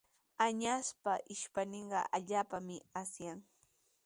Añaspa ishpayninqa allaapami asyan.